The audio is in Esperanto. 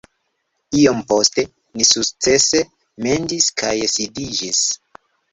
Iom poste, ni sukcese mendis kaj sidiĝis